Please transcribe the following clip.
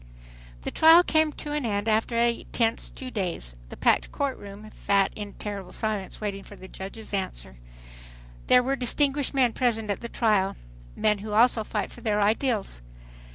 The trial came to an end after a tense two days. The packed court room fat in a terrible silence awaiting the judge's answer. There were distinguished men present at the trial—men who also fight for their ideals.